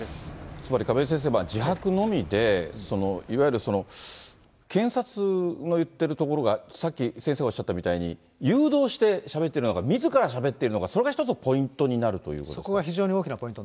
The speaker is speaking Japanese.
つまり、亀井先生、自白のみで、いわゆる検察の言ってるところが、さっき、先生がおっしゃったみたいに、誘導してしゃべってるのか、みずからしゃべっているのか、そそこが非常に大きなポイント